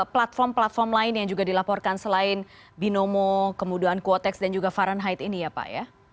platform platform lain yang juga dilaporkan selain binomo kemudian quotex dan juga fahrenheit ini ya pak ya